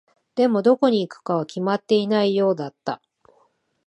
でも、どこに行くかは決まっていないようだった。